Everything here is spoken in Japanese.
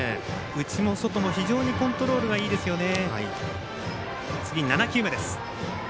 内も外も非常にコントロールがいいですよね。